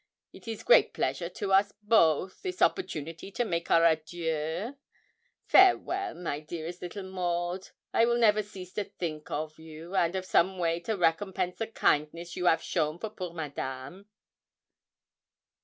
It is great pleasure to us both this opportunity to make our adieux. Farewell! my dearest little Maud. I will never cease to think of you, and of some way to recompense the kindness you 'av shown for poor Madame.'